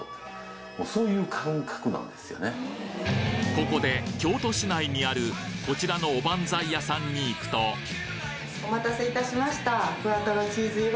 ここで京都市内にあるこちらのおばんざい屋さんに行くとお待たせ致しました。